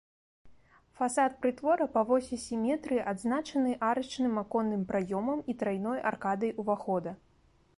Фасад прытвора па восі сіметрыі адзначаны арачным аконным праёмам і трайной аркадай увахода.